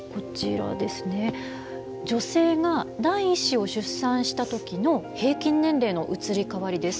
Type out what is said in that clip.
女性が第１子を出産した時の平均年齢の移り変わりです。